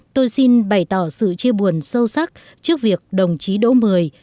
tôi xin bày tỏ sự chia buồn sâu sắc trước việc đồng chí đỗ mười